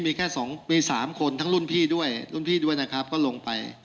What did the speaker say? มีแค่สองมีสามคนทั้งรุ่นพี่ด้วยนะครับก็ลงไป